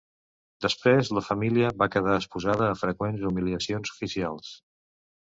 Després, la família va quedar exposada a freqüents humiliacions oficials.